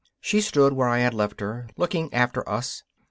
She stood where I had left her, looking after us.